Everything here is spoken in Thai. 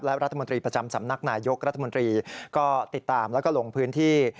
และรัฐมนตรีประจำสำนักนายยกรัฐมนตรีก็ติดตามแล้วก็ลงพื้นที่